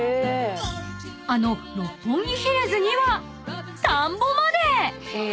［あの六本木ヒルズには田んぼまで！］